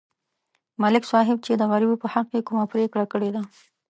ملک صاحب چې د غریبو په حق کې کومه پرېکړه کړې ده